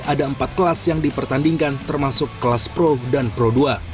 ada empat kelas yang dipertandingkan termasuk kelas pro dan pro dua